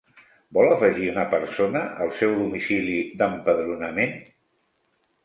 Vol afegir una persona al seu domicili d'empadronament?